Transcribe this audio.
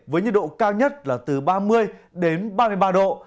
với nhiệt độ cao nhất là từ ba mươi đến ba mươi ba độ